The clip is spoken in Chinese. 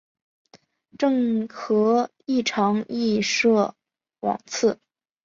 郑和亦尝裔敕往赐。